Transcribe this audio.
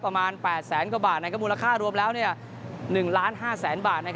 ประมาณ๘แสนกว่าบาทมูลค่ารวมแล้ว๑๕๐๐๐๐บาท